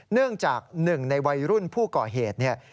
เนื่องจากหนึ่งในวัยรุ่นผู้ก่อเหตุเนี่ย